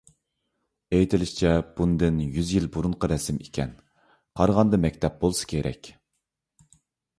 ئېيتىلىشىچە، بۇندىن يۈز يىل بۇرۇنقى رەسىم ئىكەن. قارىغاندا مەكتەپ بولسا كېرەك.